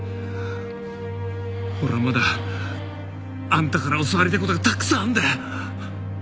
俺はまだあんたから教わりたい事がたくさんあるんだよ。